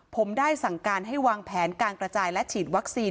ผมได้สั่งการให้วางแผนการกระจายและฉีดวัคซีน